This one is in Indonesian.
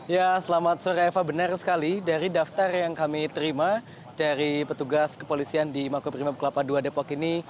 ya selamat sore eva benar sekali dari daftar yang kami terima dari petugas kepolisian di makobrimob kelapa dua depok ini